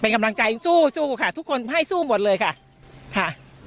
เป็นกำลังใจสู้สู้ค่ะทุกคนให้สู้หมดเลยค่ะค่ะ